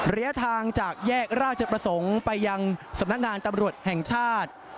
ระยะทางจากแยกราชประสงค์ไปยังสำนักงานตำรวจแห่งชาติ